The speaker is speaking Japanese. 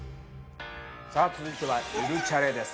さあ続いては「ゆるチャレ」です。